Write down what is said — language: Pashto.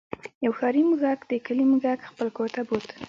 یو ښاري موږک د کلي موږک خپل کور ته بوت.